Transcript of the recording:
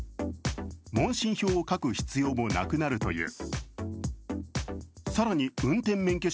問診票を書く必要もなくなるという。